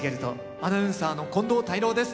アナウンサーの近藤泰郎です。